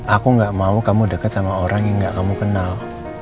aku gak mau kamu deket sama orang yang gak kamu kenal